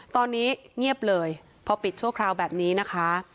ตอนนี้เงียบเลยพอปิดชั่วคราวแบบนี้นะคะ